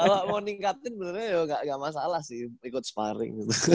kalau mau ningkatin benernya ya gak masalah sih ikut sparring gitu